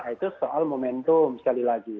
itu soal momentum sekali lagi